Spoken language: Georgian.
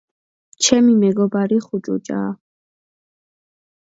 ჩემი მეგობარი ხუჭუჭაა.